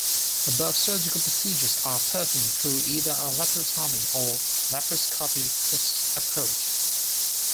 Above surgical procedures are performed through either a laparotomy or laparoscopy approach.